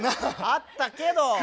あったけど。